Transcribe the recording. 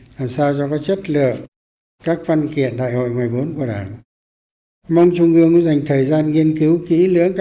làm sao cho có chất lượng